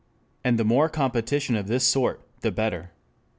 And the more competition of this sort the better.